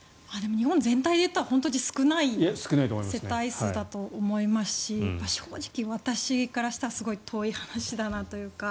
日本全体で言ったら本当に少ない世帯数だと思いますし正直、私からしたらすごい遠い話だなというか